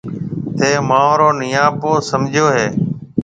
ٿَي مهارو نَياپو سمجهيَو هيَ۔